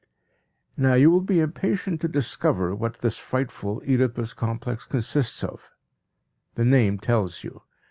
Now you will be impatient to discover what this frightful Oedipus complex consists of. The name tells you.